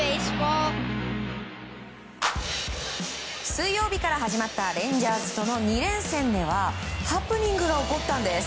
水曜日から始まったレンジャーズとの２連戦ではハプニングが起こったんです。